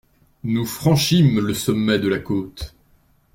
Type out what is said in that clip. Nous franchîmes le sommet de la côte.